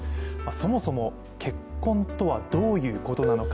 そもそも結婚とはどういうことなのか。